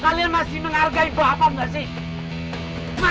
kalian masih menghargai bapak nggak sih